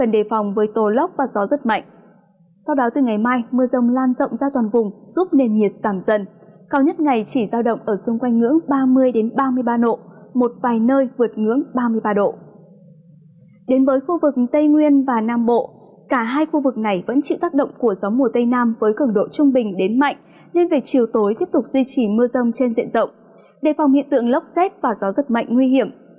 đến với khu vực tây nguyên và nam bộ cả hai khu vực này vẫn chịu tác động của gió mùa tây nam với cường độ trung bình đến mạnh nên về chiều tối tiếp tục duy trì mưa rông trên diện rộng đề phòng hiện tượng lốc xét và gió rất mạnh nguy hiểm